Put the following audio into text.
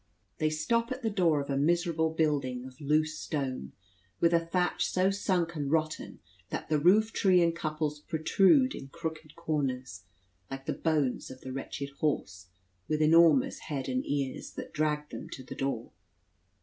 They stop at the door of a miserable building of loose stone, with a thatch so sunk and rotten, that the roof tree and couples protrude in crooked corners, like the bones of the wretched horse, with enormous head and ears, that dragged them to the door.